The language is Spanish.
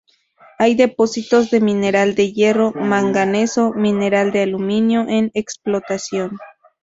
Hay depósitos de mineral de hierro, manganeso, mineral de aluminio en explotación.